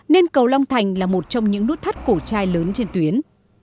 nên cầu long thành là một trong những nút thắt cổ trai lớn trên tuyến